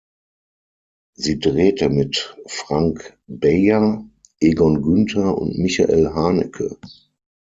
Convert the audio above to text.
Sie drehte mit Frank Beyer, Egon Günther und Michael Haneke.